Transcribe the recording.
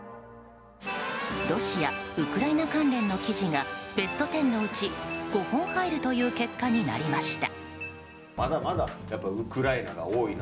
ロシア、ウクライナ関連の記事がベスト１０のうち５本入るという結果になりました。